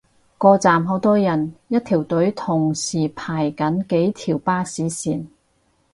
個站好多人，一條隊同時排緊幾條巴士線